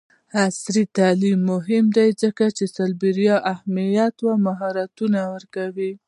عصري تعلیم مهم دی ځکه چې د سایبر امنیت مهارتونه ورکوي.